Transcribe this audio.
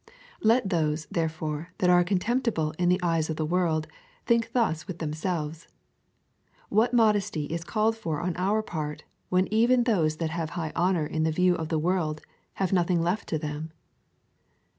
Let those, therefore, that are contemptible in the eyes of the world, think thus with themselves :" What modesty is called for on our part, when even those that have high honour in the view of the world have nothing left them